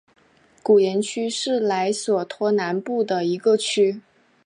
古廷区是莱索托南部的一个区。